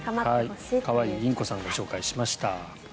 可愛いインコさん紹介しました。